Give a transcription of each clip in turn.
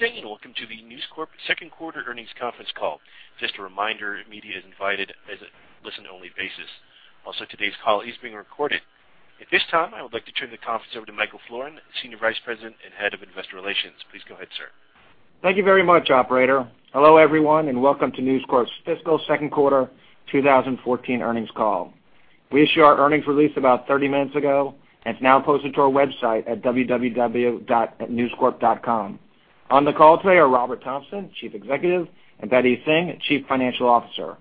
Good day, welcome to the News Corp second quarter earnings conference call. Just a reminder, media is invited as a listen-only basis. Also, today's call is being recorded. At this time, I would like to turn the conference over to Michael Florin, Senior Vice President and Head of Investor Relations. Please go ahead, sir. Thank you very much, operator. Hello, everyone, welcome to News Corp's fiscal second quarter 2014 earnings call. We issued our earnings release about 30 minutes ago, it's now posted to our website at www.newscorp.com. On the call today are Robert Thomson, Chief Executive, Bedi Singh, Chief Financial Officer.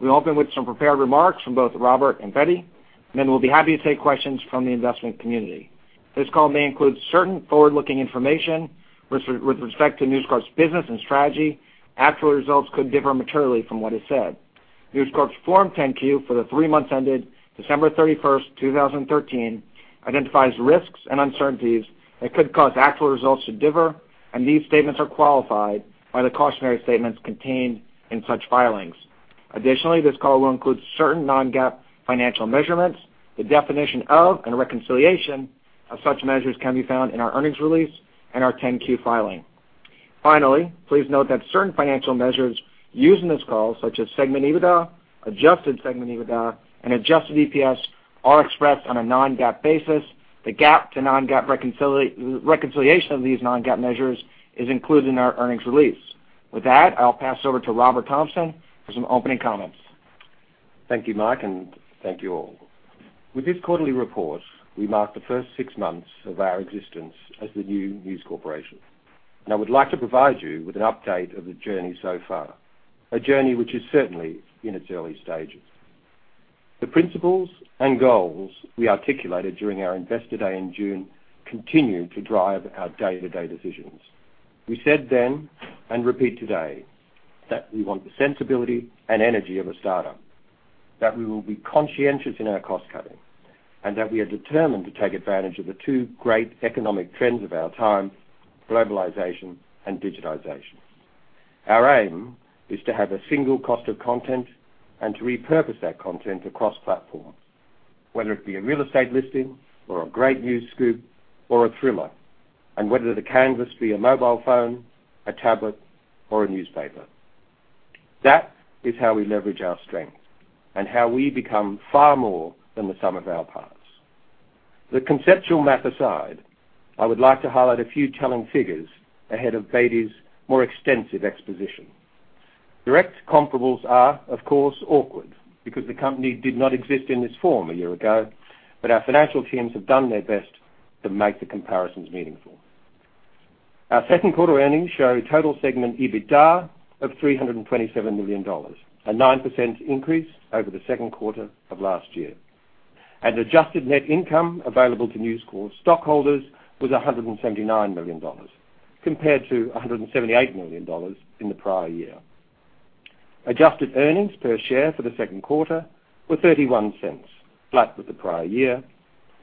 We'll open with some prepared remarks from both Robert and Bedi, we'll be happy to take questions from the investment community. This call may include certain forward-looking information with respect to News Corp's business and strategy. Actual results could differ materially from what is said. News Corp's Form 10-Q for the three months ended December 31st, 2013, identifies risks and uncertainties that could cause actual results to differ, these statements are qualified by the cautionary statements contained in such filings. Additionally, this call will include certain non-GAAP financial measurements. The definition of, reconciliation of such measures can be found in our earnings release and our 10-Q filing. Finally, please note that certain financial measures used in this call, such as segment EBITDA, adjusted segment EBITDA, adjusted EPS, are expressed on a non-GAAP basis. The GAAP to non-GAAP reconciliation of these non-GAAP measures is included in our earnings release. With that, I'll pass over to Robert Thomson for some opening comments. Thank you, Mike, thank you all. With this quarterly report, we mark the first six months of our existence as the new News Corporation, I would like to provide you with an update of the journey so far, a journey which is certainly in its early stages. The principles and goals we articulated during our investor day in June continue to drive our day-to-day decisions. We said then, repeat today, that we want the sensibility and energy of a startup, that we will be conscientious in our cost-cutting, that we are determined to take advantage of the two great economic trends of our time, globalization and digitization. Our aim is to have a single cost of content and to repurpose that content across platforms, whether it be a real estate listing or a great news scoop or a thriller, and whether the canvas be a mobile phone, a tablet, or a newspaper. That is how we leverage our strength and how we become far more than the sum of our parts. The conceptual map aside, I would like to highlight a few telling figures ahead of Bedi's more extensive exposition. Direct comparables are, of course, awkward because the company did not exist in this form a year ago, but our financial teams have done their best to make the comparisons meaningful. Our second quarter earnings show total segment EBITDA of $327 million, a 9% increase over the second quarter of last year. Adjusted net income available to News Corp stockholders was $179 million compared to $178 million in the prior year. Adjusted earnings per share for the second quarter were $0.31, flat with the prior year,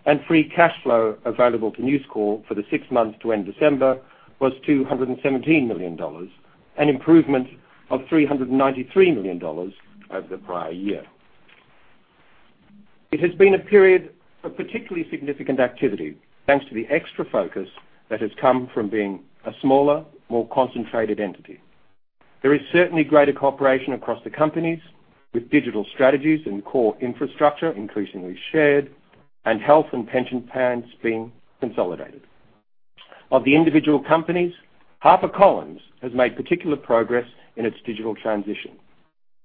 and free cash flow available to News Corp for the six months to end December was $217 million, an improvement of $393 million over the prior year. It has been a period of particularly significant activity, thanks to the extra focus that has come from being a smaller, more concentrated entity. There is certainly greater cooperation across the companies with digital strategies and core infrastructure increasingly shared, and health and pension plans being consolidated. Of the individual companies, HarperCollins has made particular progress in its digital transition,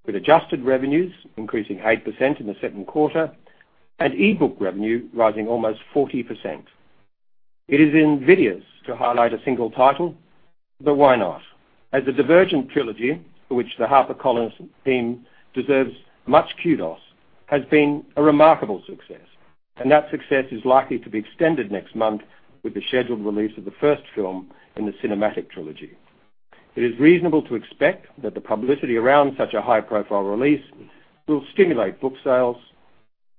with adjusted revenues increasing 8% in the second quarter and e-book revenue rising almost 40%. It is invidious to highlight a single title, but why not? As the Divergent trilogy, for which the HarperCollins team deserves much kudos, has been a remarkable success. That success is likely to be extended next month with the scheduled release of the first film in the cinematic trilogy. It is reasonable to expect that the publicity around such a high-profile release will stimulate book sales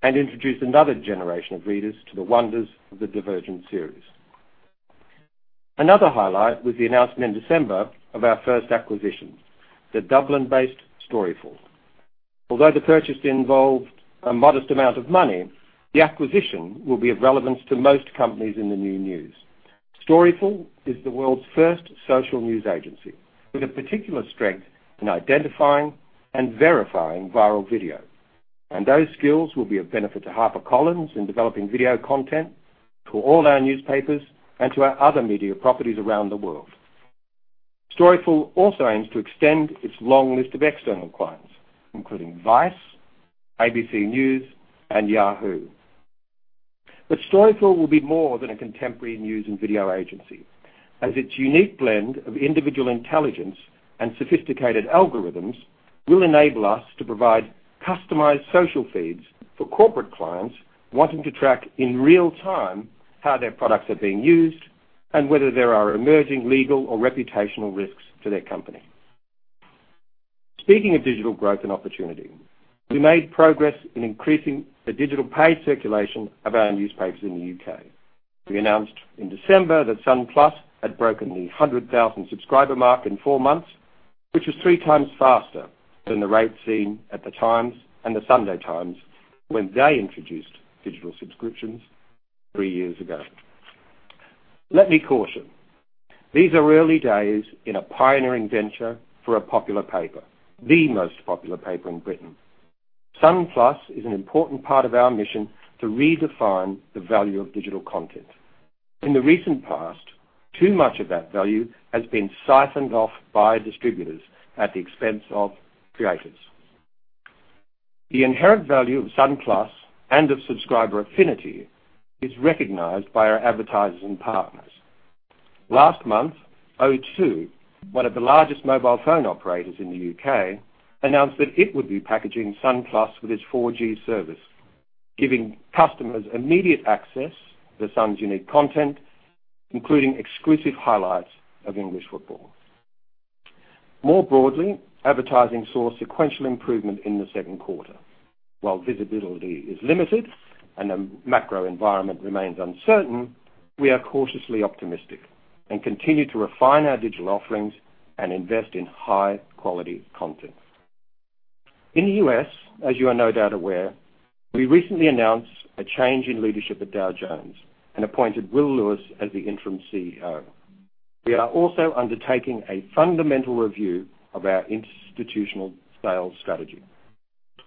and introduce another generation of readers to the wonders of the Divergent series. Another highlight was the announcement in December of our first acquisition, the Dublin-based Storyful. Although the purchase involved a modest amount of money, the acquisition will be of relevance to most companies in the new News. Storyful is the world's first social news agency with a particular strength in identifying and verifying viral video. Those skills will be of benefit to HarperCollins in developing video content to all our newspapers and to our other media properties around the world. Storyful also aims to extend its long list of external clients, including Vice, ABC News, and Yahoo. But Storyful will be more than a contemporary news and video agency, as its unique blend of individual intelligence and sophisticated algorithms will enable us to provide customized social feeds for corporate clients wanting to track, in real time, how their products are being used and whether there are emerging legal or reputational risks to their company. Speaking of digital growth and opportunity, we made progress in increasing the digital paid circulation of our newspapers in the U.K. We announced in December that Sun+ had broken the 100,000-subscriber mark in four months, which is three times faster than the rate seen at The Times and The Sunday Times when they introduced digital subscriptions three years ago. Let me caution, these are early days in a pioneering venture for a popular paper, the most popular paper in Britain. Sun+ is an important part of our mission to redefine the value of digital content. In the recent past, too much of that value has been siphoned off by distributors at the expense of creators. The inherent value of Sun+ and of subscriber affinity is recognized by our advertisers and partners. Last month, O2, one of the largest mobile phone operators in the U.K., announced that it would be packaging Sun+ with its 4G service, giving customers immediate access to The Sun's unique content, including exclusive highlights of English football. More broadly, advertising saw sequential improvement in the second quarter. While visibility is limited and the macro environment remains uncertain, we are cautiously optimistic and continue to refine our digital offerings and invest in high-quality content. In the U.S., as you are no doubt aware, we recently announced a change in leadership at Dow Jones and appointed Will Lewis as the interim CEO. We are also undertaking a fundamental review of our institutional sales strategy.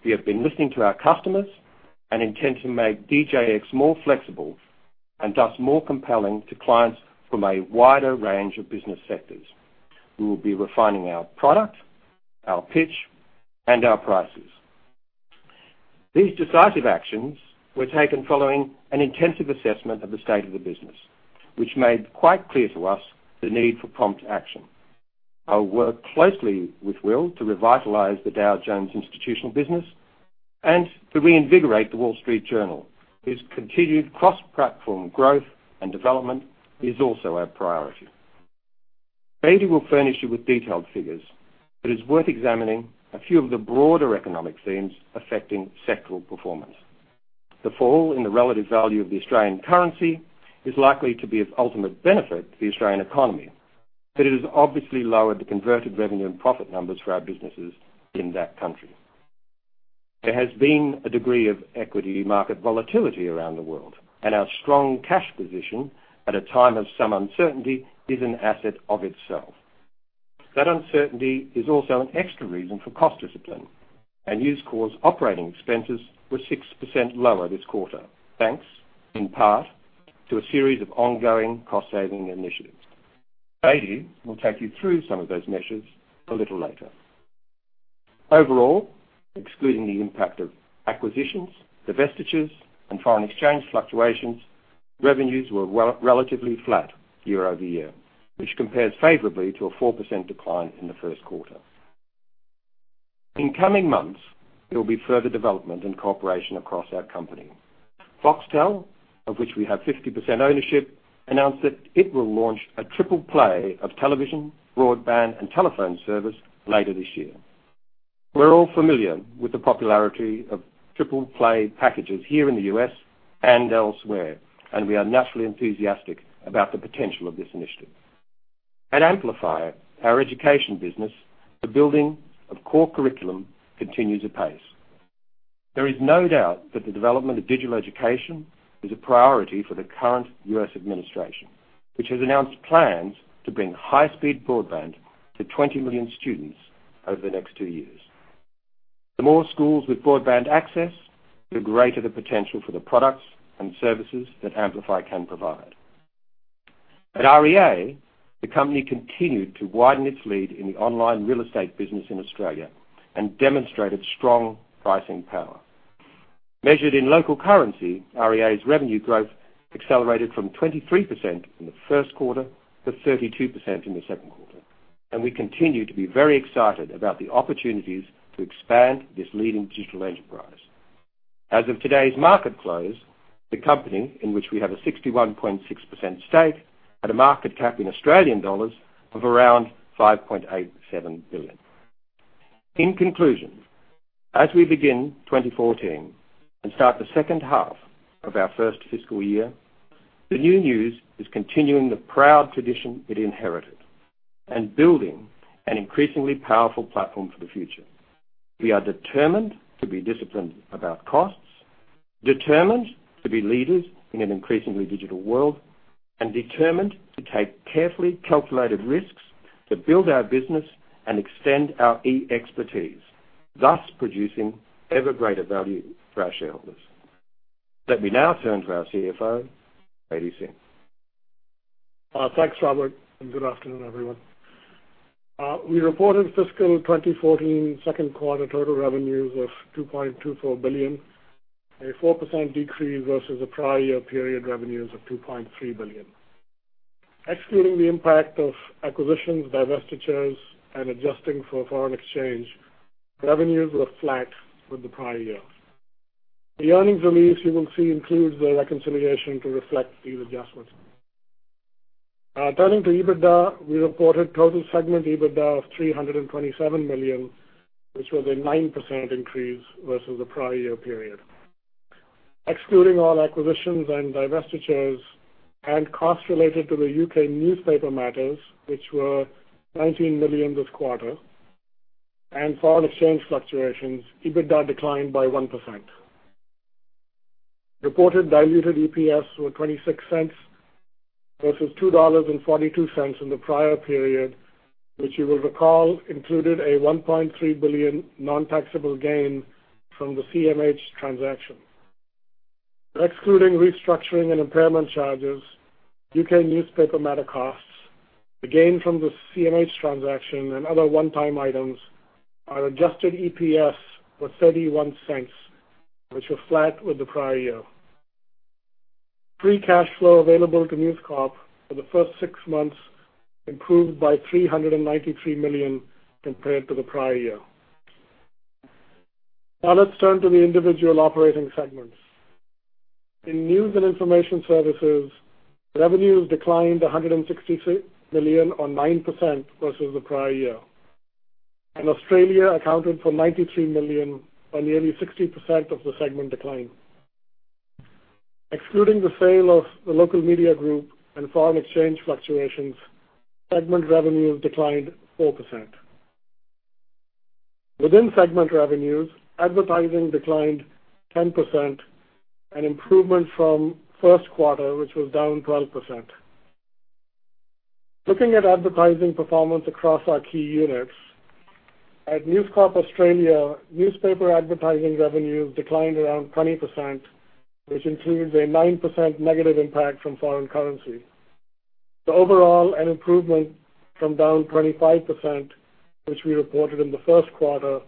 We have been listening to our customers and intend to make DJX more flexible and thus more compelling to clients from a wider range of business sectors. We will be refining our product, our pitch, and our prices. These decisive actions were taken following an intensive assessment of the state of the business, which made quite clear to us the need for prompt action. I'll work closely with Will to revitalize the Dow Jones institutional business and to reinvigorate The Wall Street Journal, whose continued cross-platform growth and development is also our priority. Bedi will furnish you with detailed figures, but it's worth examining a few of the broader economic themes affecting sectoral performance. The fall in the relative value of the Australian currency is likely to be of ultimate benefit to the Australian economy, but it has obviously lowered the converted revenue and profit numbers for our businesses in that country. There has been a degree of equity market volatility around the world, and our strong cash position at a time of some uncertainty is an asset of itself. That uncertainty is also an extra reason for cost discipline, and News Corp's operating expenses were 6% lower this quarter, thanks in part to a series of ongoing cost-saving initiatives. Bedi will take you through some of those measures a little later. Overall, excluding the impact of acquisitions, divestitures, and foreign exchange fluctuations, revenues were relatively flat year-over-year, which compares favorably to a 4% decline in the first quarter. In coming months, there will be further development and cooperation across our company. Foxtel, of which we have 50% ownership, announced that it will launch a triple play of television, broadband, and telephone service later this year. We're all familiar with the popularity of triple play packages here in the U.S. and elsewhere, and we are naturally enthusiastic about the potential of this initiative. At Amplify, our education business, the building of core curriculum continues apace. There is no doubt that the development of digital education is a priority for the current U.S. administration, which has announced plans to bring high-speed broadband to 20 million students over the next two years. The more schools with broadband access, the greater the potential for the products and services that Amplify can provide. At REA, the company continued to widen its lead in the online real estate business in Australia and demonstrated strong pricing power. Measured in local currency, REA's revenue growth accelerated from 23% in the first quarter to 32% in the second quarter. We continue to be very excited about the opportunities to expand this leading digital enterprise. As of today's market close, the company, in which we have a 61.6% stake, had a market cap in 5.87 billion. In conclusion, as we begin 2014 and start the second half of our first fiscal year, the new News is continuing the proud tradition it inherited and building an increasingly powerful platform for the future. We are determined to be disciplined about costs, determined to be leaders in an increasingly digital world, and determined to take carefully calculated risks to build our business and extend our e-expertise, thus producing ever greater value for our shareholders. Let me now turn to our CFO, Bedi Singh. Thanks, Robert. Good afternoon, everyone. We reported fiscal 2014 second quarter total revenues of $2.24 billion, a 4% decrease versus the prior year period revenues of $2.3 billion. Excluding the impact of acquisitions, divestitures, and adjusting for foreign exchange, revenues were flat with the prior year. The earnings release you will see includes the reconciliation to reflect these adjustments. Turning to EBITDA, we reported total segment EBITDA of $327 million, which was a 9% increase versus the prior year period. Excluding all acquisitions and divestitures and costs related to the U.K. newspaper matters, which were $19 million this quarter, and foreign exchange fluctuations, EBITDA declined by 1%. Reported diluted EPS were $0.26 versus $2.42 in the prior period, which you will recall included a $1.3 billion non-taxable gain from the CMH transaction. Excluding restructuring and impairment charges, U.K. newspaper matter costs, the gain from the CMH transaction, and other one-time items, our adjusted EPS was $0.31, which was flat with the prior year. Free cash flow available to News Corp for the first six months improved by $393 million compared to the prior year. Now let's turn to the individual operating segments. In news and information services, revenues declined $163 million or 9% versus the prior year. Australia accounted for $93 million or nearly 60% of the segment decline. Excluding the sale of the local media group and foreign exchange fluctuations, segment revenues declined 4%. Within segment revenues, advertising declined 10%, an improvement from the first quarter, which was down 12%. Looking at advertising performance across our key units, at News Corp Australia, newspaper advertising revenues declined around 20%, which includes a 9% negative impact from foreign currency. Overall, an improvement from -25%, which we reported in the first quarter,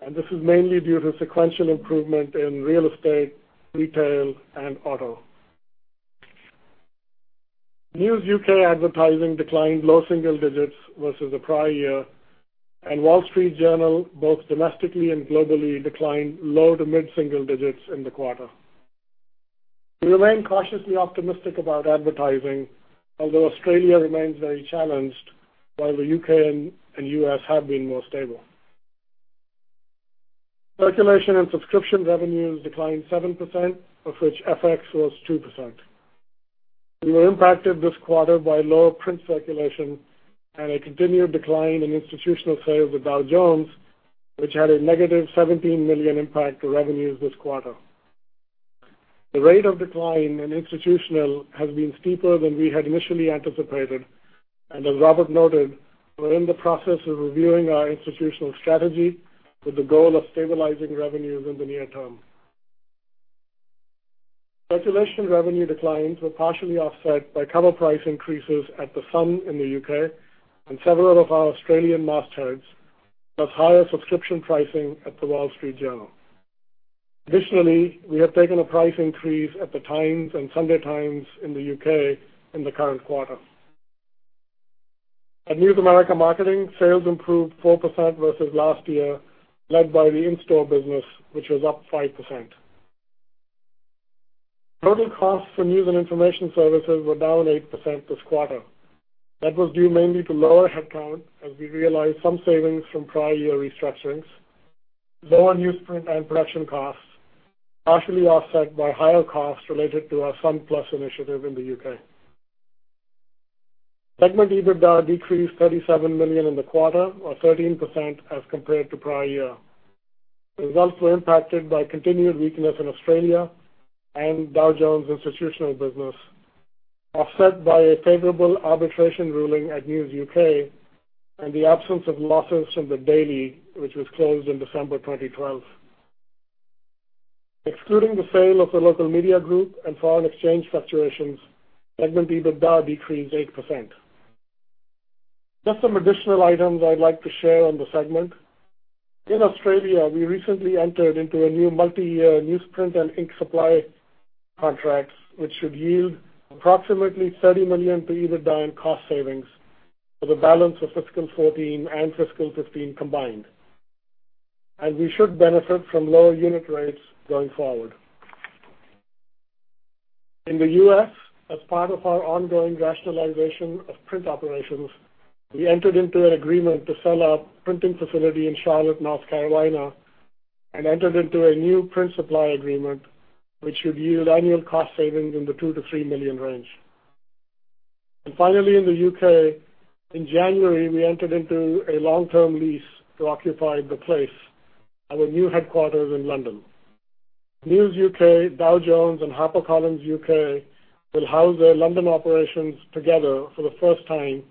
and this is mainly due to sequential improvement in real estate, retail, and auto. News UK advertising declined low single digits versus the prior year, and The Wall Street Journal, both domestically and globally, declined low to mid single digits in the quarter. We remain cautiously optimistic about advertising, although Australia remains very challenged while the U.K. and U.S. have been more stable. Circulation and subscription revenues declined 7%, of which FX was 2%. We were impacted this quarter by lower print circulation and a continued decline in institutional sales with Dow Jones, which had a negative $17 million impact to revenues this quarter. The rate of decline in institutional has been steeper than we had initially anticipated. As Robert noted, we're in the process of reviewing our institutional strategy with the goal of stabilizing revenues in the near term. Circulation revenue declines were partially offset by cover price increases at The Sun in the U.K. and several of our Australian mastheads, plus higher subscription pricing at The Wall Street Journal. Additionally, we have taken a price increase at The Times and The Sunday Times in the U.K. in the current quarter. At News America Marketing, sales improved 4% versus last year, led by the in-store business, which was up 5%. Total costs for news and information services were down 8% this quarter. That was due mainly to lower headcount as we realized some savings from prior year restructurings, lower newsprint and production costs, partially offset by higher costs related to our Sun+ initiative in the U.K. Segment EBITDA decreased $37 million in the quarter, or 13% as compared to prior year. The results were impacted by continued weakness in Australia and Dow Jones' institutional business, offset by a favorable arbitration ruling at News UK and the absence of losses from The Daily, which was closed in December 2012. Excluding the sale of the Dow Jones Local Media Group and foreign exchange fluctuations, segment EBITDA decreased 8%. Just some additional items I'd like to share on the segment. In Australia, we recently entered into a new multi-year newsprint and ink supply contracts, which should yield approximately $30 million pre-EBITDA in cost savings for the balance of fiscal 2014 and fiscal 2015 combined. We should benefit from lower unit rates going forward. In the U.S., as part of our ongoing rationalization of print operations, we entered into an agreement to sell our printing facility in Charlotte, North Carolina, and entered into a new print supply agreement, which should yield annual cost savings in the $2 million-$3 million range. Finally, in the U.K., in January, we entered into a long-term lease to occupy The Place, our new headquarters in London. News UK, Dow Jones, and HarperCollins UK will house their London operations together for the first time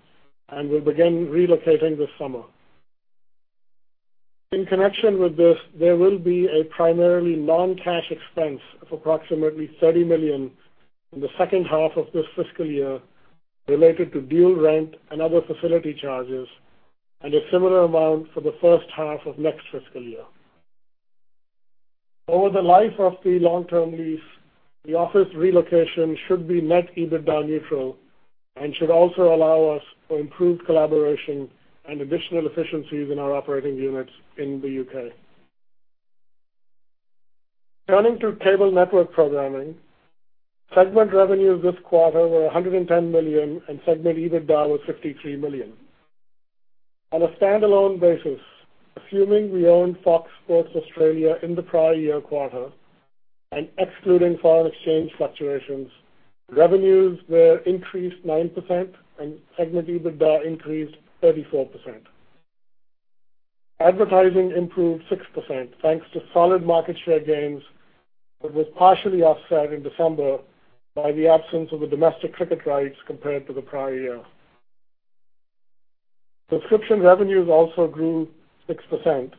and will begin relocating this summer. In connection with this, there will be a primarily non-cash expense of approximately $30 million in the second half of this fiscal year related to dual rent and other facility charges, and a similar amount for the first half of next fiscal year. Over the life of the long-term lease, the office relocation should be net EBITDA neutral and should also allow us for improved collaboration and additional efficiencies in our operating units in the U.K. Turning to cable network programming, segment revenues this quarter were $110 million and segment EBITDA was $53 million. On a standalone basis, assuming we owned Fox Sports Australia in the prior year quarter and excluding foreign exchange fluctuations, revenues there increased 9%, and segment EBITDA increased 34%. Advertising improved 6%, thanks to solid market share gains, but was partially offset in December by the absence of the domestic cricket rights compared to the prior year. Subscription revenues also grew 6%,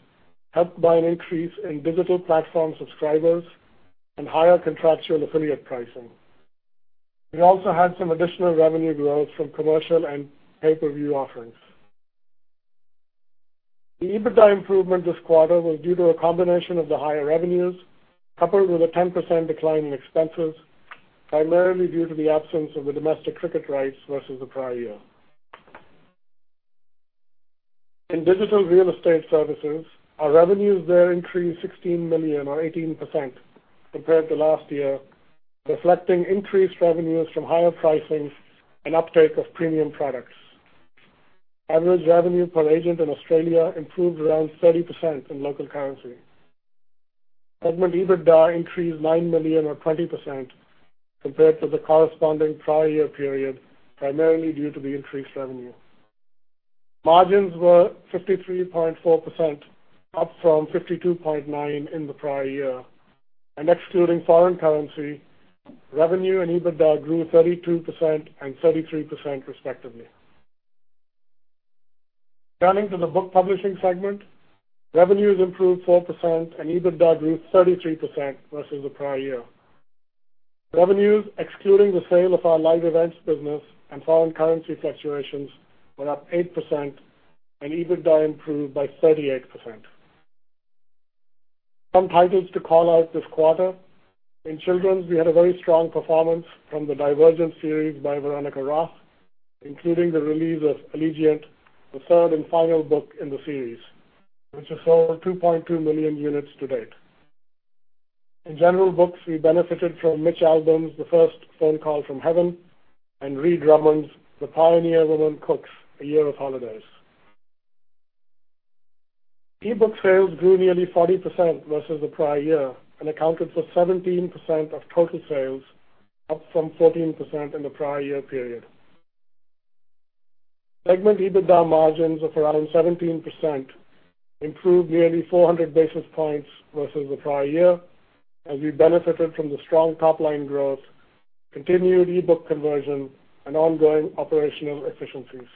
helped by an increase in digital platform subscribers and higher contractual affiliate pricing. We also had some additional revenue growth from commercial and pay-per-view offerings. The EBITDA improvement this quarter was due to a combination of the higher revenues, coupled with a 10% decline in expenses, primarily due to the absence of the domestic cricket rights versus the prior year. In digital real estate services, our revenues there increased $16 million or 18% compared to last year, reflecting increased revenues from higher pricing and uptake of premium products. Average revenue per agent in Australia improved around 30% in local currency. Segment EBITDA increased $9 million or 20% compared to the corresponding prior year period, primarily due to the increased revenue. Margins were 53.4%, up from 52.9% in the prior year. Excluding foreign currency, revenue and EBITDA grew 32% and 33% respectively. Turning to the book publishing segment, revenues improved 4% and EBITDA grew 33% versus the prior year. Revenues, excluding the sale of our live events business and foreign currency fluctuations, were up 8%, and EBITDA improved by 38%. Some titles to call out this quarter. In children's, we had a very strong performance from the "Divergent" series by Veronica Roth, including the release of "Allegiant," the third and final book in the series, which has sold 2.2 million units to date. In general books, we benefited from Mitch Albom's "The First Phone Call From Heaven" and Ree Drummond's "The Pioneer Woman Cooks: A Year of Holidays." E-book sales grew nearly 40% versus the prior year and accounted for 17% of total sales, up from 14% in the prior year period. Segment EBITDA margins of around 17% improved nearly 400 basis points versus the prior year as we benefited from the strong top-line growth, continued e-book conversion, and ongoing operational efficiencies.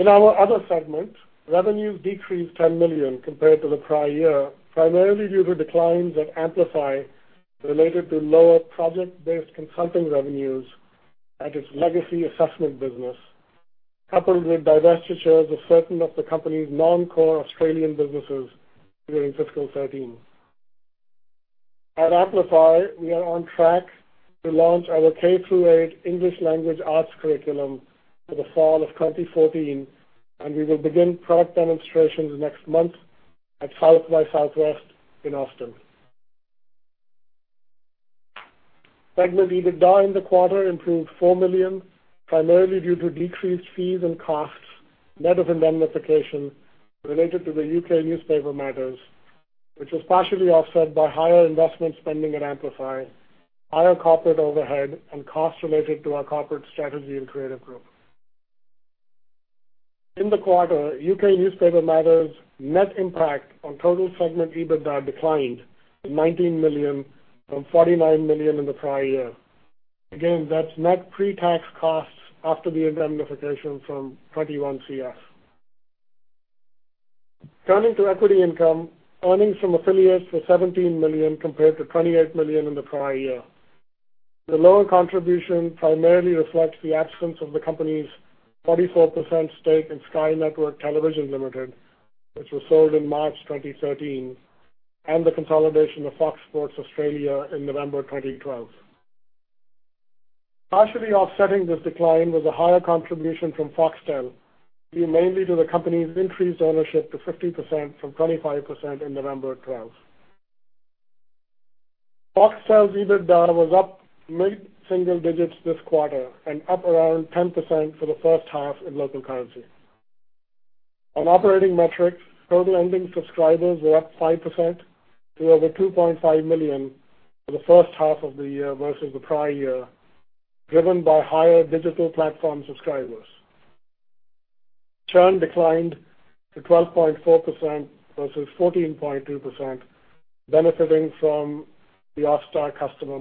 In our other segment, revenues decreased $10 million compared to the prior year, primarily due to declines at Amplify related to lower project-based consulting revenues at its legacy assessment business, coupled with divestitures of certain of the company's non-core Australian businesses during fiscal 2013. At Amplify, we are on track to launch our K through 8 English language arts curriculum for the fall of 2014, and we will begin product demonstrations next month at South by Southwest in Austin. Segment EBITDA in the quarter improved $4 million, primarily due to decreased fees and costs, net of indemnification related to the U.K. newspaper matters, which was partially offset by higher investment spending at Amplify, higher corporate overhead, and costs related to our corporate strategy and creative group. In the quarter, U.K. newspaper matters' net impact on total segment EBITDA declined to $19 million from $49 million in the prior year. Again, that's net pre-tax costs after the indemnification from 21CS. Turning to equity income, earnings from affiliates were $17 million compared to $28 million in the prior year. The lower contribution primarily reflects the absence of the company's 44% stake in Sky Network Television Limited, which was sold in March 2013, and the consolidation of Fox Sports Australia in November 2012. Partially offsetting this decline was a higher contribution from Foxtel, due mainly to the company's increased ownership to 50% from 25% in November 2012. Foxtel's EBITDA was up mid-single digits this quarter and up around 10% for the first half in local currency. On operating metrics, total ending subscribers were up 5% to over 2.5 million for the first half of the year versus the prior year, driven by higher digital platform subscribers. Churn declined to 12.4% versus 14.2%, benefiting from the Austar customer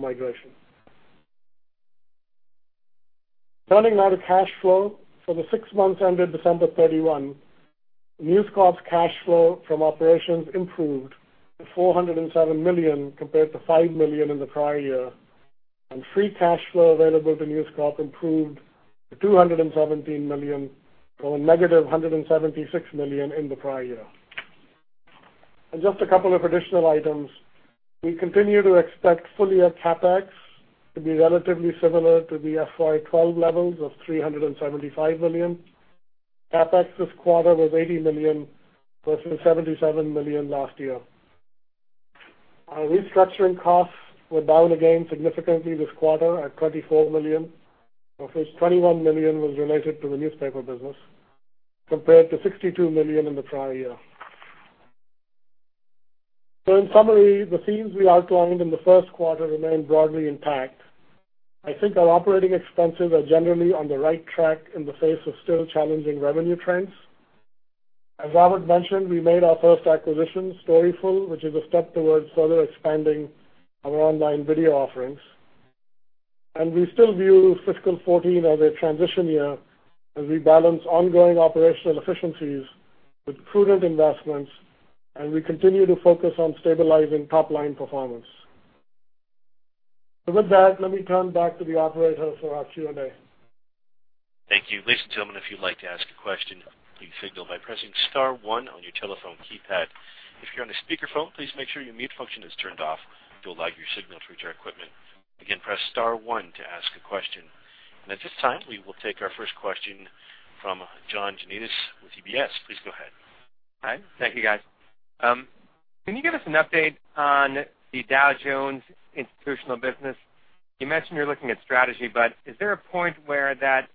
migration. Turning now to cash flow. For the six months ended December 31, News Corp's cash flow from operations improved to $407 million compared to $5 million in the prior year, and free cash flow available to News Corp improved to $217 million from a negative $176 million in the prior year. Just a couple of additional items. We continue to expect full-year CapEx to be relatively similar to the FY 2012 levels of $375 million. CapEx this quarter was $80 million, versus $77 million last year. Our restructuring costs were down again significantly this quarter at $24 million, of which $21 million was related to the newspaper business, compared to $62 million in the prior year. In summary, the themes we outlined in the first quarter remain broadly intact. I think our operating expenses are generally on the right track in the face of still challenging revenue trends. As Robert mentioned, we made our first acquisition, Storyful, which is a step towards further expanding our online video offerings. We still view fiscal 2014 as a transition year as we balance ongoing operational efficiencies with prudent investments, and we continue to focus on stabilizing top-line performance. With that, let me turn back to the operator for our Q&A. Thank you. Ladies and gentlemen, if you'd like to ask a question, please signal by pressing star one on your telephone keypad. If you're on a speakerphone, please make sure your mute function is turned off to allow your signal through to our equipment. Again, press star one to ask a question. At this time, we will take our first question from John Janedis with UBS. Please go ahead. Hi. Thank you, guys. Can you give us an update on the Dow Jones Institutional business? You mentioned you're looking at strategy, but is there a point where that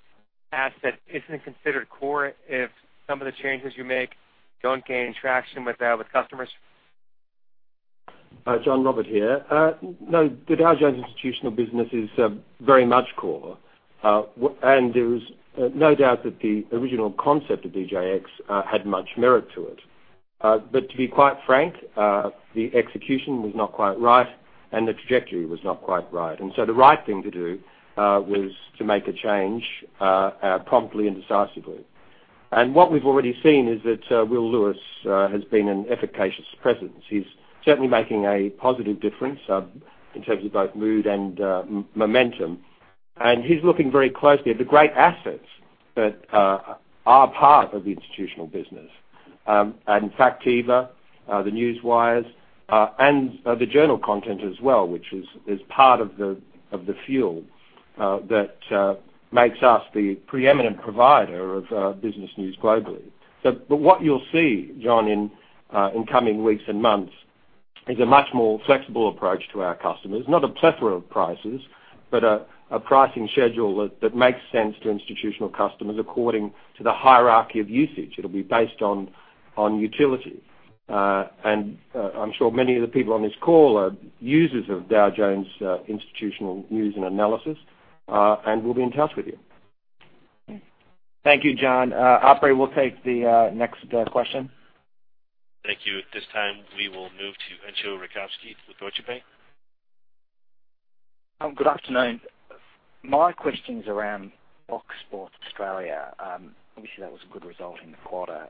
asset isn't considered core if some of the changes you make don't gain traction with customers? John, Robert here. No, the Dow Jones Institutional business is very much core. There is no doubt that the original concept of DJX had much merit to it. To be quite frank, the execution was not quite right, and the trajectory was not quite right. The right thing to do was to make a change promptly and decisively. What we've already seen is that William Lewis has been an efficacious presence. He's certainly making a positive difference in terms of both mood and momentum. He's looking very closely at the great assets that are part of the institutional business. Factiva, the newswires, and the Journal content as well, which is part of the fuel that makes us the preeminent provider of business news globally. What you'll see, John, in coming weeks and months, is a much more flexible approach to our customers. Not a plethora of prices, but a pricing schedule that makes sense to institutional customers according to the hierarchy of usage. It'll be based on utility. I'm sure many of the people on this call are users of Dow Jones Institutional news and analysis. We'll be in touch with you. Thank you, John. Operator, we'll take the next question. Thank you. At this time, we will move to Anjelo Ketkar with Deutsche Bank. Good afternoon. My question's around Fox Sports Australia. Obviously, that was a good result in the quarter.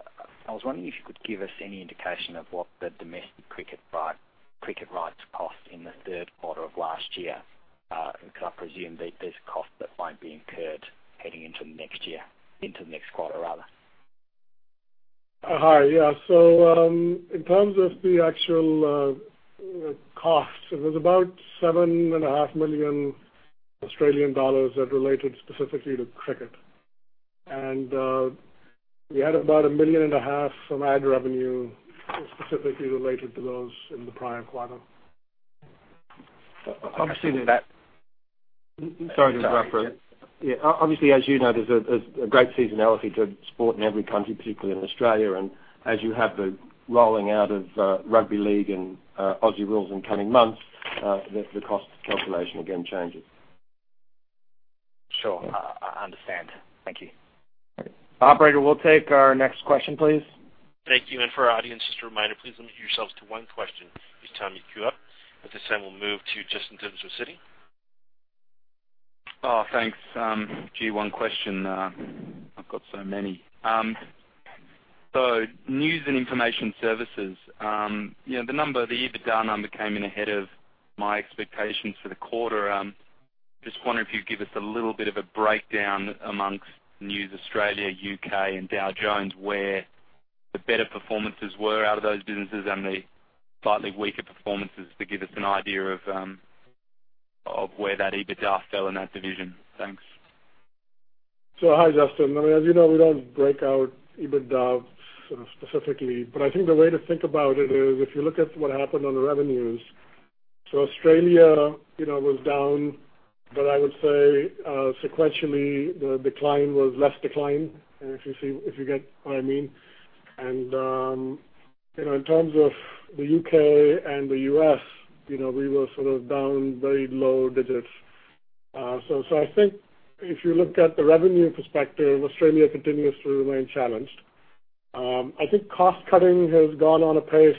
I was wondering if you could give us any indication of what the domestic cricket rights cost in the third quarter of last year. I presume there's a cost that might be incurred heading into next year, into the next quarter, rather. Hi. Yeah. In terms of the actual cost, it was about 7.5 million Australian dollars that related specifically to cricket. We had about AUD a million and a half from ad revenue specifically related to those in the prior quarter. Obviously that- Sorry to interrupt, Rob. Yeah, obviously as you know, there's a great seasonality to sport in every country, particularly in Australia. As you have the rolling out of rugby league and Aussie rules in coming months, the cost calculation again changes. Sure. I understand. Thank you. Operator, we'll take our next question, please. Thank you. For our audience, just a reminder, please limit yourselves to one question each time you queue up. At this time, we'll move to Justin D'Anjolell with Citi. Thanks. Gee, one question. I've got so many. News and Information Services. The EBITDA number came in ahead of my expectations for the quarter. Just wondering if you'd give us a little bit of a breakdown amongst News Australia, U.K., and Dow Jones, where the better performances were out of those businesses and the slightly weaker performances to give us an idea of where that EBITDA fell in that division. Thanks. Hi, Justin. As you know, we don't break out EBITDA specifically, but I think the way to think about it is if you look at what happened on the revenues. Australia was down, but I would say sequentially, the decline was less decline, if you get what I mean. In terms of the U.K. and the U.S., we were sort of down very low digits. I think if you looked at the revenue perspective, Australia continues to remain challenged. I think cost-cutting has gone on apace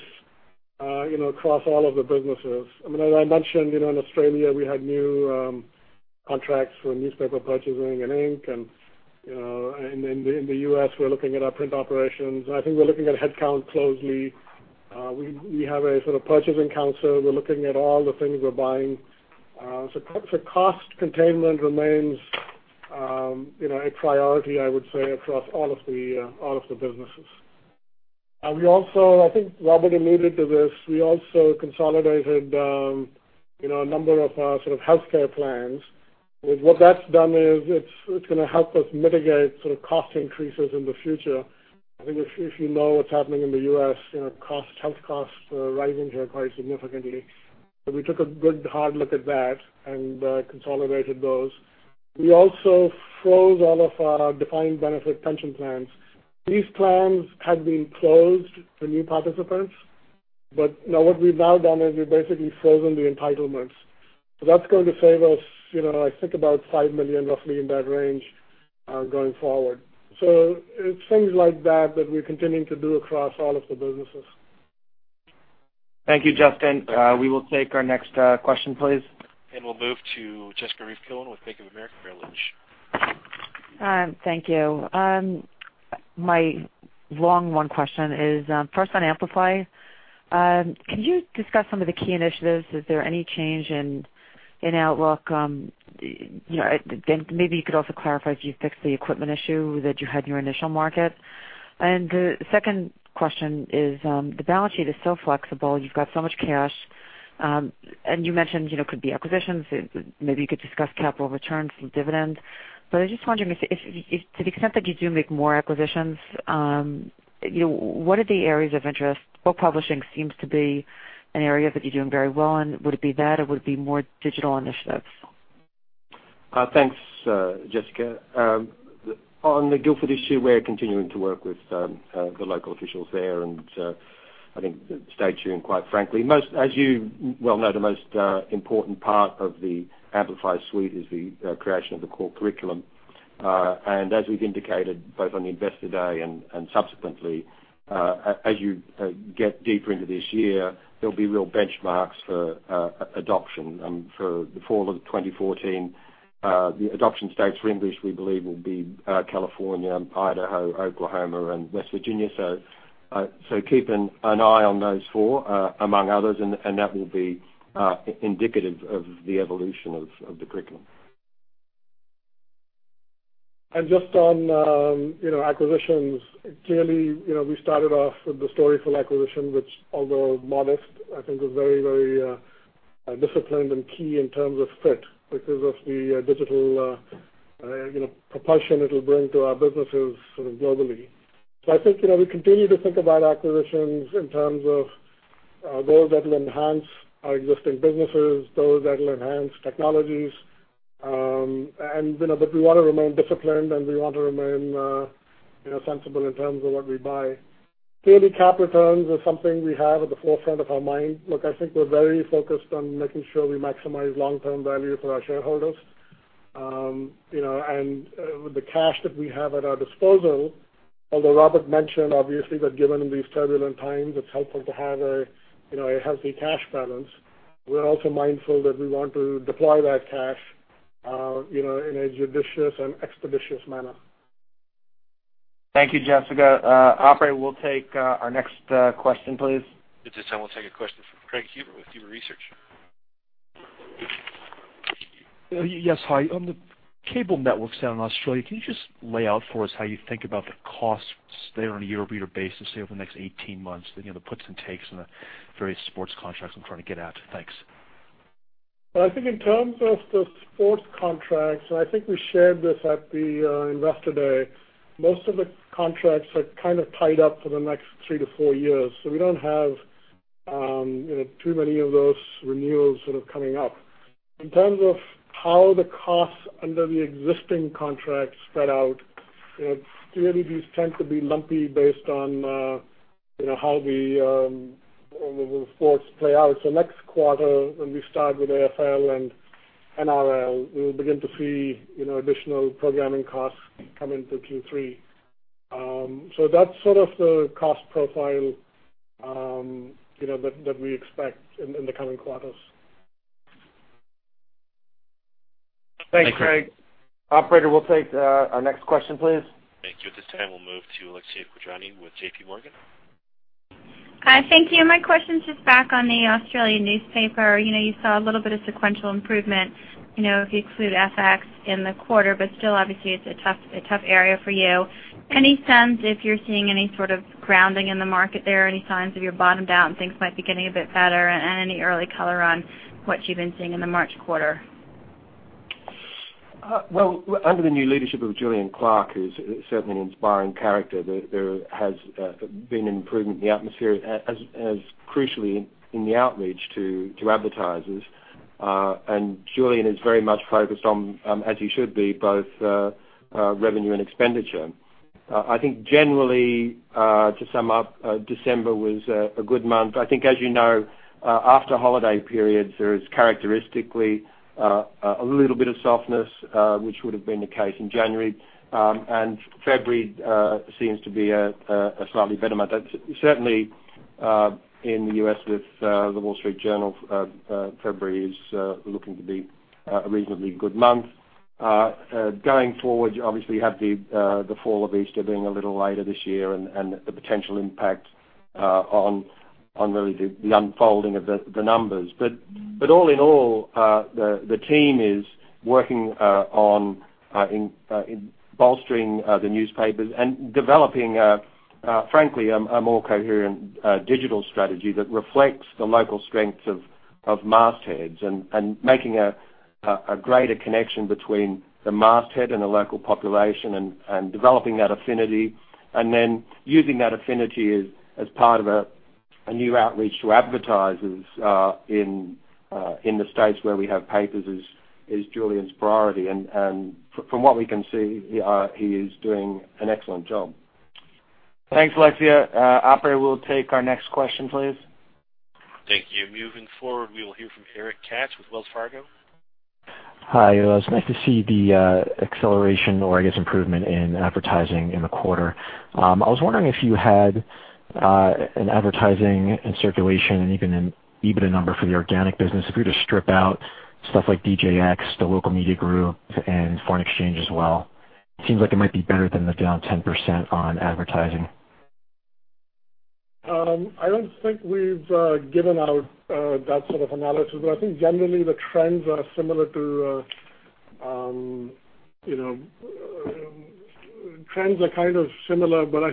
across all of the businesses. I mean, as I mentioned, in Australia, we had new contracts for newspaper purchasing and ink, and in the U.S., we're looking at our print operations. I think we're looking at headcount closely. We have a sort of purchasing council. We're looking at all the things we're buying. Cost containment remains a priority, I would say, across all of the businesses. I think Robert alluded to this. We also consolidated a number of our sort of healthcare plans. What that's done is it's going to help us mitigate cost increases in the future. I think if you know what's happening in the U.S., health costs are rising here quite significantly. We took a good hard look at that and consolidated those. We also froze all of our defined benefit pension plans. These plans had been closed for new participants, but now what we've now done is we've basically frozen the entitlements. That's going to save us, I think about $5 million, roughly in that range, going forward. It's things like that that we're continuing to do across all of the businesses. Thank you, Justin. We will take our next question, please. We'll move to Jessica Reif Cohen with Bank of America Merrill Lynch. Thank you. My long one question is, first on Amplify, can you discuss some of the key initiatives? Is there any change in outlook? Maybe you could also clarify if you fixed the equipment issue that you had in your initial market. The second question is, the balance sheet is so flexible. You've got so much cash. You mentioned, could be acquisitions, maybe you could discuss capital returns from dividends. I was just wondering if, to the extent that you do make more acquisitions, what are the areas of interest? Book publishing seems to be an area that you're doing very well in. Would it be that, or would it be more digital initiatives? Thanks, Jessica. On the Guilford issue, we're continuing to work with the local officials there, I think stay tuned, quite frankly. As you well know, the most important part of the Amplify suite is the creation of the core curriculum. As we've indicated both on the Investor Day and subsequently, as you get deeper into this year, there'll be real benchmarks for adoption. For the fall of 2014, the adoption states for English, we believe, will be California, Idaho, Oklahoma, and West Virginia. Keep an eye on those four, among others, and that will be indicative of the evolution of the curriculum. Just on acquisitions, clearly, we started off with the Storyful acquisition, which, although modest, I think was very disciplined and key in terms of fit because of the digital propulsion it'll bring to our businesses sort of globally. I think, we continue to think about acquisitions in terms of those that will enhance our existing businesses, those that'll enhance technologies. We want to remain disciplined, and we want to remain sensible in terms of what we buy. Clearly, capital returns are something we have at the forefront of our mind. Look, I think we're very focused on making sure we maximize long-term value for our shareholders. With the cash that we have at our disposal, although Robert mentioned, obviously, that given these turbulent times, it's helpful to have a healthy cash balance, we're also mindful that we want to deploy that cash in a judicious and expeditious manner. Thank you, Jessica. Operator, we'll take our next question, please. At this time, we'll take a question from Craig Huber with Huber Research Partners. Yes, hi. On the cable networks out in Australia, can you just lay out for us how you think about the costs there on a year-over-year basis, say, over the next 18 months? The puts and takes on the various sports contracts I'm trying to get at. Thanks. I think in terms of the sports contracts, I think we shared this at the Investor Day, most of the contracts are kind of tied up for the next 3 to 4 years. We don't have too many of those renewals sort of coming up. In terms of how the costs under the existing contracts spread out, clearly, these tend to be lumpy based on how the sports play out. Next quarter, when we start with AFL and NRL, we'll begin to see additional programming costs come in through Q3. That's sort of the cost profile that we expect in the coming quarters. Thank you. Thanks, Craig. Operator, we'll take our next question, please. Thank you. At this time, we'll move to Alexia Quadrani with JP Morgan. Thank you. My question is just back on the Australian newspaper. You saw a little bit of sequential improvement if you exclude FX in the quarter, but still, obviously, it's a tough area for you. Any sense if you're seeing any sort of grounding in the market there, any signs of your bottoming out, things might be getting a bit better, and any early color on what you've been seeing in the March quarter? Well, under the new leadership of Julian Clarke, who's certainly an inspiring character, there has been an improvement in the atmosphere, crucially in the outreach to advertisers. Julian is very much focused on, as he should be, both revenue and expenditure. I think generally, to sum up, December was a good month. I think, as you know, after holiday periods, there is characteristically a little bit of softness, which would have been the case in January. February seems to be a slightly better month. Certainly, in the U.S. with The Wall Street Journal, February is looking to be a reasonably good month. Going forward, you obviously have the fall of Easter being a little later this year and the potential impact on really the unfolding of the numbers. All in all, the team is working on bolstering the newspapers and developing, frankly, a more coherent digital strategy that reflects the local strengths of mastheads and making a greater connection between the masthead and the local population and developing that affinity, then using that affinity as part of a new outreach to advertisers in the states where we have papers is Julian's priority. From what we can see, he is doing an excellent job. Thanks, Alexia. Operator, we'll take our next question, please. Thank you. Moving forward, we will hear from Eric Katz with Wells Fargo. Hi. Well, it's nice to see the acceleration or I guess improvement in advertising in the quarter. I was wondering if you had an advertising and circulation and even a number for the organic business, if we were to strip out stuff like DJX, the Local Media Group, and Foreign Exchange as well. It seems like it might be better than the down 10% on advertising. I don't think we've given out that sort of analysis, but I think generally the trends are kind of similar, but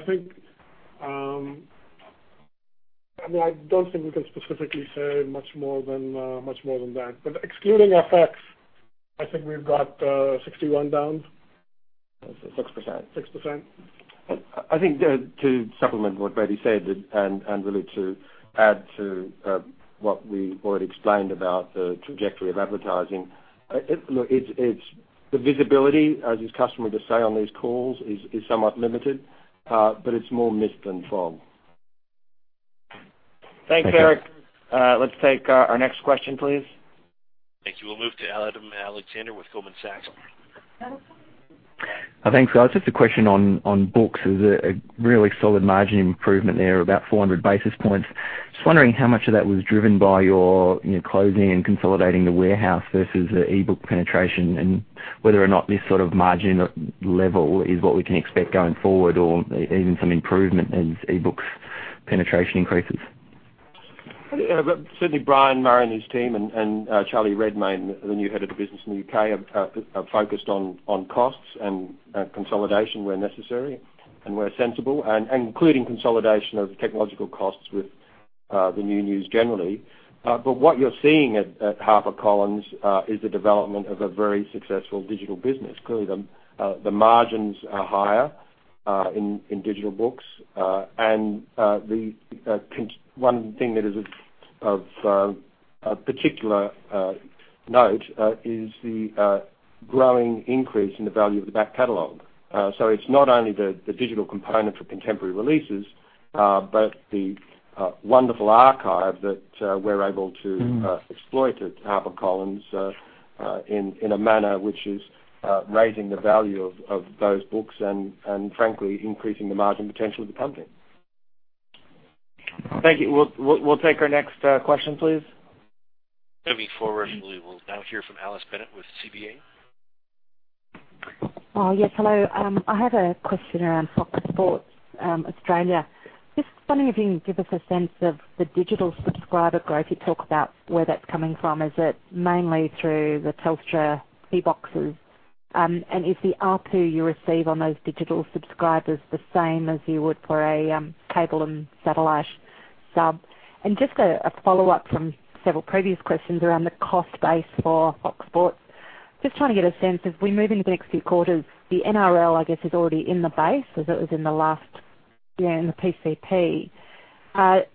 I don't think we can specifically say much more than that. Excluding effects, I think we've got 61 down. 6%. 6%. I think to supplement what Bedi said and really to add to what we already explained about the trajectory of advertising. Look, the visibility, as is customary to say on these calls, is somewhat limited, but it's more mist than fog. Thank you. Thanks, Eric. Let's take our next question, please. Thank you. We'll move to Adam Alexander with Goldman Sachs. Thanks, guys. Just a question on books. There's a really solid margin improvement there of about 400 basis points. Just wondering how much of that was driven by your closing and consolidating the warehouse versus the e-book penetration, and whether or not this sort of margin level is what we can expect going forward, or even some improvement as e-books penetration increases. Certainly Brian Murray and his team and Charlie Redmayne, the new head of the business in the U.K., are focused on costs and consolidation where necessary and where sensible, including consolidation of technological costs with the new news generally. What you're seeing at HarperCollins is the development of a very successful digital business. Clearly, the margins are higher in digital books. One thing that is of particular note is the growing increase in the value of the back catalog. It's not only the digital component for contemporary releases, but the wonderful archive that we're able to exploit at HarperCollins in a manner which is raising the value of those books and frankly, increasing the margin potential of the company. Thank you. We'll take our next question, please. Moving forward, we will now hear from Alice Bennett with CBA. Yes, hello. I have a question around Fox Sports Australia. Just wondering if you can give us a sense of the digital subscriber growth. You talk about where that's coming from. Is it mainly through the Telstra TV boxes? Is the ARPU you receive on those digital subscribers the same as you would for a cable and satellite sub? Just a follow-up from several previous questions around the cost base for Fox Sports. Just trying to get a sense of, we move into the next few quarters, the NRL, I guess, is already in the base as it was in the last year in the PCP.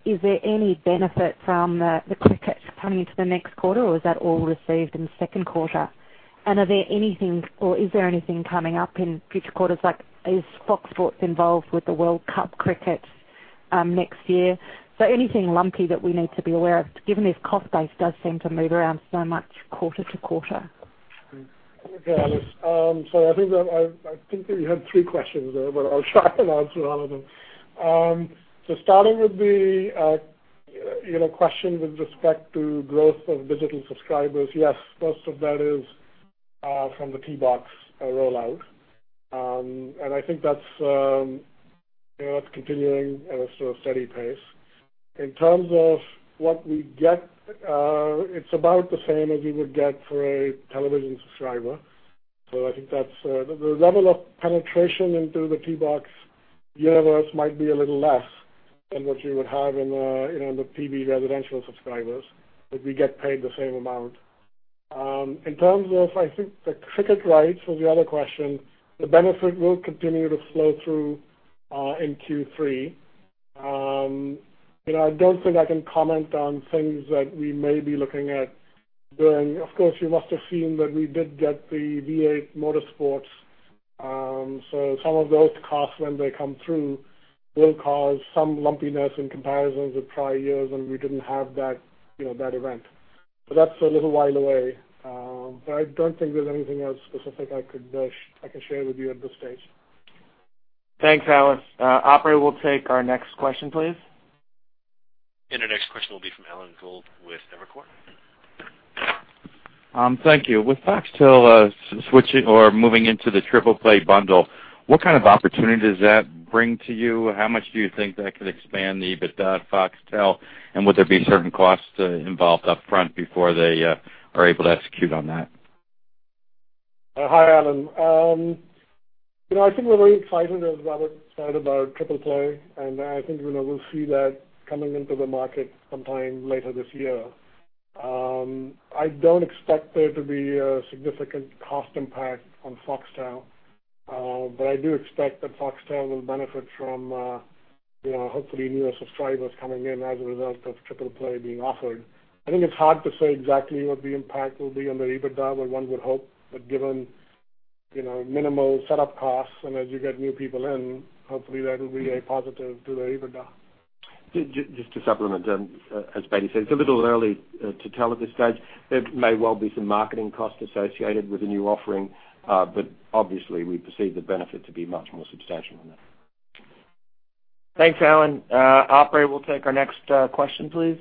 Is there any benefit from the cricket coming into the next quarter, or is that all received in the second quarter? Is there anything coming up in future quarters, like is Fox Sports involved with the World Cup cricket next year? Anything lumpy that we need to be aware of, given this cost base does seem to move around so much quarter-to-quarter. Okay, Alice. I think that you had three questions there, but I'll try and answer all of them. Starting with the question with respect to growth of digital subscribers. Yes, most of that is from the T-Box rollout. I think that's continuing at a sort of steady pace. In terms of what we get, it's about the same as you would get for a television subscriber. I think that the level of penetration into the T-Box universe might be a little less than what you would have in the pay TV residential subscribers, but we get paid the same amount. In terms of, I think, the cricket rights was the other question, the benefit will continue to flow through in Q3. I don't think I can comment on things that we may be looking at doing. Of course, you must have seen that we did get the V8 Supercars. Some of those costs when they come through will cause some lumpiness in comparisons with prior years when we didn't have that event. That's a little while away. I don't think there's anything else specific I could share with you at this stage. Thanks, Alice. Operator, we'll take our next question, please. Our next question will be from Alan Gould with Evercore. Thank you. With Foxtel moving into the Triple Play Bundle, what kind of opportunity does that bring to you? How much do you think that could expand the EBITDA at Foxtel, and would there be certain costs involved up front before they are able to execute on that? Hi, Alan. I think we're very excited, as Robert said, about Triple Play. I think we'll see that coming into the market sometime later this year. I don't expect there to be a significant cost impact on Foxtel. I do expect that Foxtel will benefit from hopefully newer subscribers coming in as a result of Triple Play being offered. I think it's hard to say exactly what the impact will be on the EBITDA. One would hope that given minimal setup costs and as you get new people in, hopefully that will be a positive to the EBITDA. Just to supplement, as Bedi said, it's a little early to tell at this stage. There may well be some marketing costs associated with the new offering, obviously we perceive the benefit to be much more substantial than that. Thanks, Alan. Operator, we'll take our next question, please.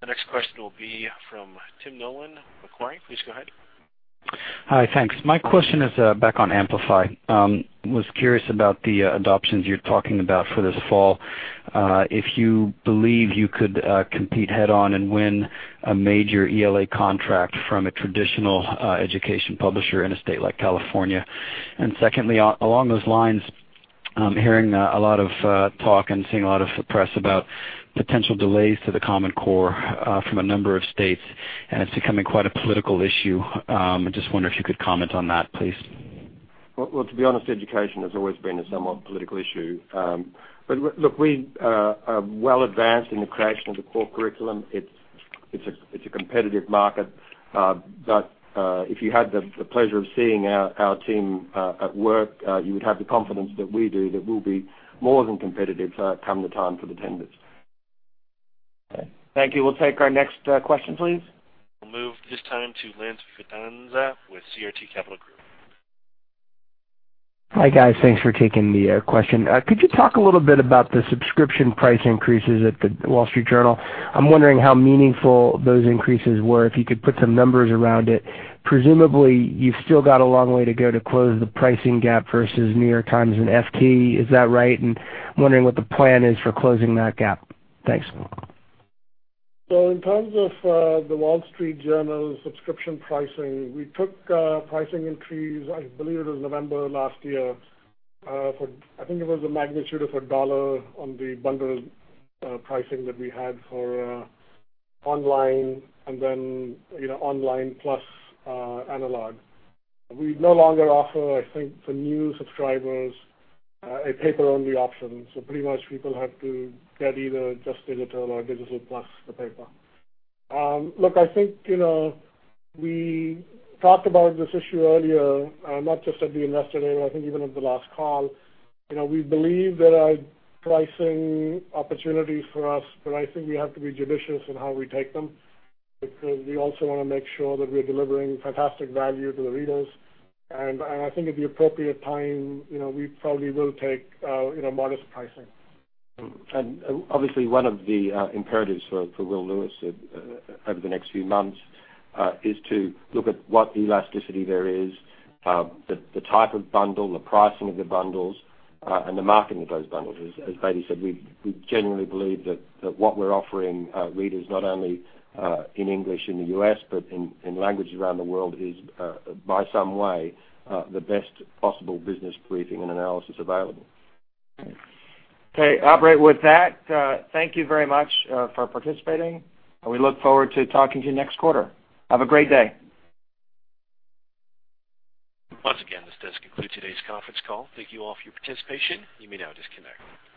The next question will be from Tim Nollen, Macquarie. Please go ahead. Hi, thanks. My question is back on Amplify. Was curious about the adoptions you're talking about for this fall, if you believe you could compete head-on and win a major ELA contract from a traditional education publisher in a state like California. Secondly, along those lines, I'm hearing a lot of talk and seeing a lot of press about potential delays to the Common Core from a number of states, it's becoming quite a political issue. I just wonder if you could comment on that, please. Well, to be honest, education has always been a somewhat political issue. Look, we are well advanced in the creation of the core curriculum. It's a competitive market. If you had the pleasure of seeing our team at work, you would have the confidence that we do that we'll be more than competitive come the time for the tenders. Okay. Thank you. We'll take our next question, please. We'll move this time to Lance Vitanza with CRT Capital Group. Hi, guys. Thanks for taking the question. Could you talk a little bit about the subscription price increases at The Wall Street Journal? I'm wondering how meaningful those increases were, if you could put some numbers around it. Presumably, you've still got a long way to go to close the pricing gap versus The New York Times and FT. Is that right? I'm wondering what the plan is for closing that gap. Thanks. In terms of The Wall Street Journal subscription pricing, we took pricing increase, I believe it was November last year. I think it was a magnitude of $1 on the bundled pricing that we had for online and then online plus analog. We no longer offer, I think, for new subscribers, a paper-only option, so pretty much people have to get either just digital or digital plus the paper. I think, we talked about this issue earlier, not just at the Investor Day, but I think even at the last call. We believe there are pricing opportunities for us, but I think we have to be judicious in how we take them because we also want to make sure that we're delivering fantastic value to the readers. I think at the appropriate time, we probably will take modest pricing. Obviously one of the imperatives for Will Lewis over the next few months is to look at what elasticity there is, the type of bundle, the pricing of the bundles, and the marketing of those bundles. As Bedi said, we genuinely believe that what we're offering readers, not only in English in the U.S., but in languages around the world, is by some way, the best possible business briefing and analysis available. Operator, with that, thank you very much for participating. We look forward to talking to you next quarter. Have a great day. Once again, this does conclude today's conference call. Thank you all for your participation. You may now disconnect.